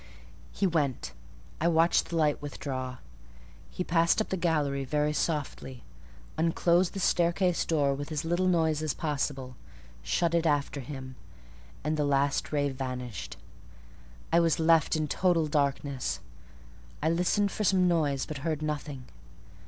He went: I watched the light withdraw. He passed up the gallery very softly, unclosed the staircase door with as little noise as possible, shut it after him, and the last ray vanished. I was left in total darkness. I listened for some noise, but heard nothing.